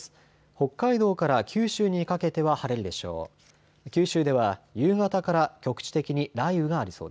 北海道から九州にかけては晴れるでしょう。